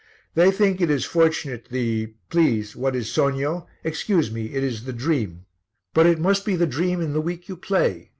"They think it is fortunate the please, what is sogno? Excuse me, it is the dream. But it must be the dream in the week you play.